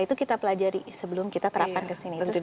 itu kita pelajari sebelum kita terapkan ke sini